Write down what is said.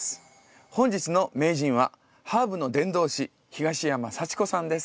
本日の名人はハーブの伝道師東山早智子さんです。